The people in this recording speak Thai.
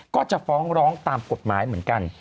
ก็จะฟ้องร้องตามกฎหมายเหมือนกัน